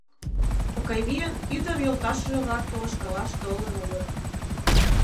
Окавийын ӱдыр йолташыже-влак полышкалаш толын улыт.